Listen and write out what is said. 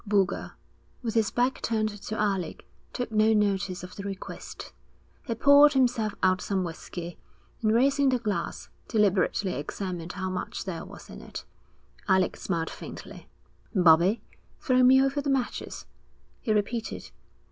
Boulger, with his back turned to Alec, took no notice of the request. He poured himself out some whisky, and raising the glass, deliberately examined how much there was in it. Alec smiled faintly. 'Bobbie, throw me over the matches,' he repeated.